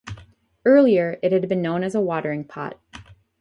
Earlier, it had been known as a "watering pot".